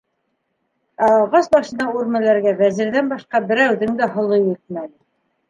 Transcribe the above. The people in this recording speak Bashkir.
Ә ағас башына үрмәләргә Вәзирҙән башҡа берәүҙең дә һоло етмәне.